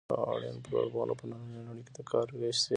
ټولنپوهنه په نننۍ نړۍ کې د کار وېش څېړي.